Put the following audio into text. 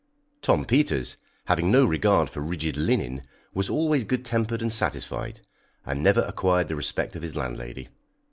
Tom Peters, having no regard for rigid linen, was always good tempered and satisfied, and never acquired the respect of his landlady.